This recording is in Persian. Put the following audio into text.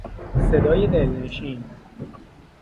صدای دلنشین